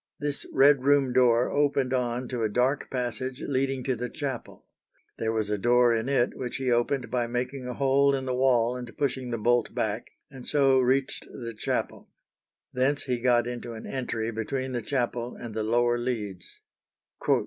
This Red room door opened on to a dark passage leading to the chapel. There was a door in it which he opened by making a hole in the wall and pushing the bolt back, and so reached the chapel. Thence he got into an entry between the chapel and the lower leads.